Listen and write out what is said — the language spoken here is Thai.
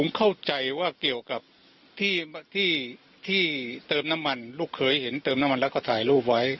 เข้าใจว่าเกี่ยวกับที่เติมน้ำมันลูกเคยเห็นเติมน้ำมันแล้วก็ถ่ายรูปไว้